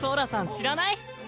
知らない？